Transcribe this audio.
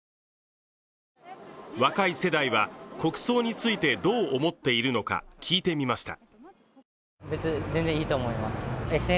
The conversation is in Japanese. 若い世代は国葬についてどう思っているのか、聞いてみました。